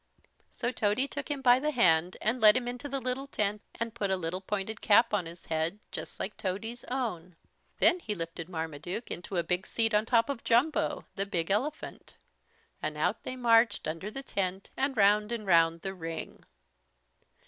So Tody took him by the hand and led him into the little tent and put a little pointed cap on his head, just like Tody's own. Then he lifted Marmaduke into a big seat on top of Jumbo, the big elephant. And out they marched under the tent and round and round the ring.